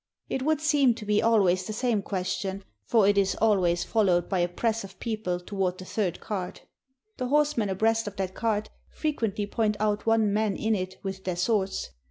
It would seem to be always the same question, for it is always followed by a press of people towards the third cart. The horse men abreast of that cart frequently point out one man in it with their swords.